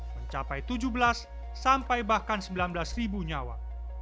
mencapai tujuh belas sampai bahkan sembilan belas ribu nyawa